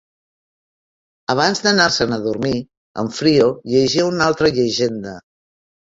Abans d'anar-se'n a dormir, en Frio llegia una altra llegenda.